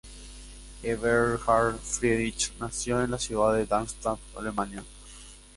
Eberhard Friedrich nació en la ciudad de Darmstadt, Alemania.